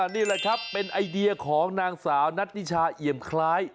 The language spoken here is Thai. นี่แหละครับเป็นไอเดียของนางสาวนัทนิชาเอี่ยมคล้าย